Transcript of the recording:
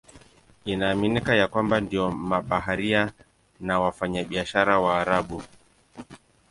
Inaaminika ya kwamba ndio mabaharia na wafanyabiashara Waarabu.